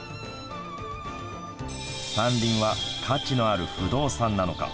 山林は価値のある不動産なのか。